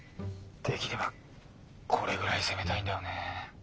できればこれぐらい攻めたいんだよね。